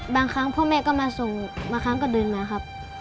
บางครั้งพ่อแม่ก็มาส่งบางครั้งก็เดินมาครับ